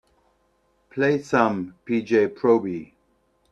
Play some P. J. Proby